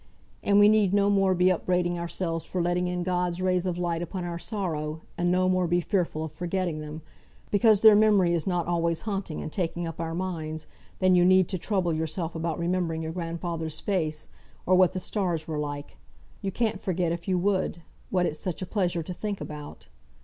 And we need no more be upbraiding ourselves for letting in God's rays of light upon our sorrow, and no more be fearful of forgetting them, because their memory is not always haunting and taking up our minds, than you need to trouble yourself about remembering your grandfather's face, or what the stars were like, you can't forget if you would, what it's such a pleasure to think about.